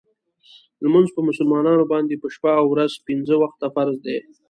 لمونځ په مسلمانانو باندې په شپه او ورځ کې پنځه وخته فرض دی .